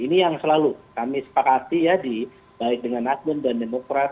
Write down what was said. ini yang selalu kami sepakati ya di baik dengan nasdem dan demokrat